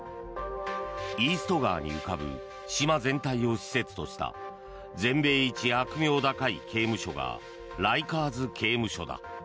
イースト川に浮かぶ島全体を施設とした全米一悪名高い刑務所がライカーズ刑務所だ。